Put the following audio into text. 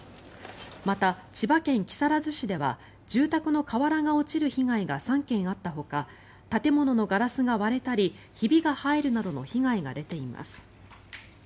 また、千葉県木更津市では住宅の瓦が落ちる被害が３件あったほか建物のガラスが割れたりひびが入るなどの被害が出ています。